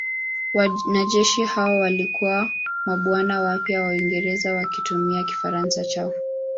Wanajeshi hao walikuwa mabwana wapya wa Uingereza wakitumia Kifaransa chao.